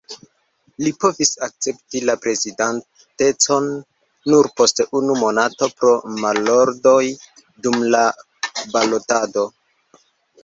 Li povis akcepti la prezidantecon nur post unu monato pro malordoj dum la balotado.